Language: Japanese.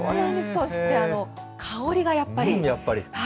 そして香りがやっぱり。